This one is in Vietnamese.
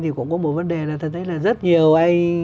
thì cũng có một vấn đề là rất nhiều anh